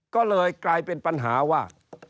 ก็เลยกลายเป็นปัญหาว่า